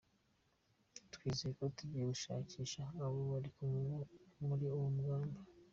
Twizeye ko tugiye gushakisha abo bari kumwe muri uwo mugambi.